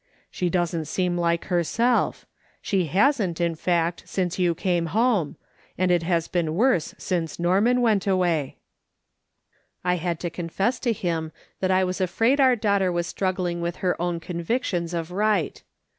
"She doesn't seem like herself ; she hasn't, in fact, since you came home; and it has been worse since Norman went away." I had to confess to him that I was afraid our u 290 MRS. SOLOMON SMITH LOOKING ON. daughter was struggling with her own convictions of right.